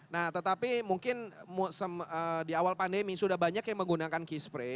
nah tetapi mungkin di awal pandemi sudah banyak yang menggunakan key spray